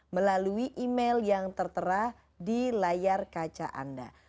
melalui email yang tertera di layar kaca anda